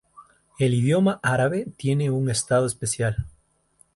El idioma árabe tiene un estado especial.